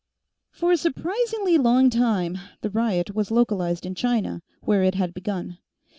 For a surprisingly long time, the riot was localized in China, where it had begun.